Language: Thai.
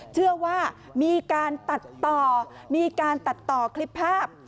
เชื่อว่ามีการตัดต่อมีการตัดต่อคลิปภาพ